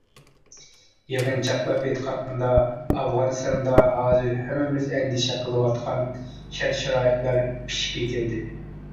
يىغىنچاقلاپ ئېيتقاندا، ئافغانىستاندا ھازىر ھەممىمىز ئەندىشە قىلىۋاتقان شەرت-شارائىتلار پىشىپ يېتىلدى.